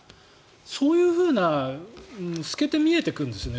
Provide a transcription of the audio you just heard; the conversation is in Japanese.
そういうふうなのが透けて見えてくるんですね。